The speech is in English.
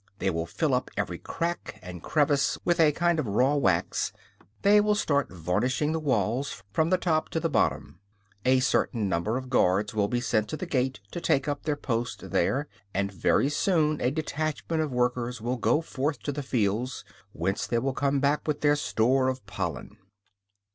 They will fill up every crack and crevice with a kind of raw wax; they will start varnishing the walls, from the top to the bottom. A certain number of guards will be sent to the gate, to take up their post there; and very soon a detachment of workers will go forth to the fields, whence they will come back with their store of pollen.